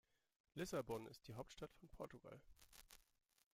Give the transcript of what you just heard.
Lissabon ist die Hauptstadt von Portugal.